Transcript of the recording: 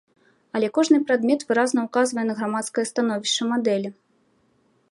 Але кожны прадмет выразна ўказвае на грамадскае становішча мадэлі.